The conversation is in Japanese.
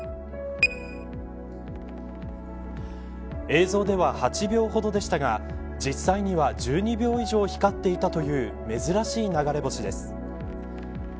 映像では８秒ほどでしたが実際には１２秒以上光っていたという珍しい流れ星です。